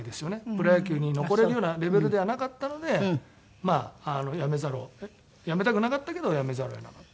プロ野球に残れるようなレベルではなかったのでまあやめざるをやめたくなかったけどやめざるを得なかった。